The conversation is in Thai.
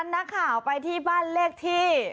นักข่าวไปที่บ้านเลขที่